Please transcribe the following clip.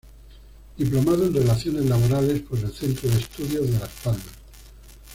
Diplomado en Relaciones Laborales por el Centro de Estudios de Las Palmas.